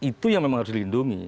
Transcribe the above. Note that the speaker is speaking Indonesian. itu yang memang harus dilindungi